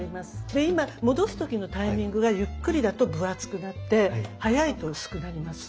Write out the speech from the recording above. で今戻す時のタイミングがゆっくりだと分厚くなって早いと薄くなります。